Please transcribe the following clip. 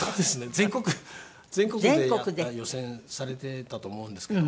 全国全国でやった予選されてたと思うんですけど。